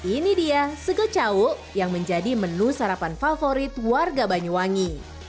ini dia segecawuk yang menjadi menu sarapan favorit warga banyuwangi